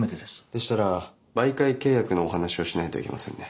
でしたら媒介契約のお話をしないといけませんね。